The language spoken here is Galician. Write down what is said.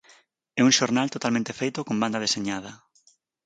É un xornal totalmente feito con banda deseñada.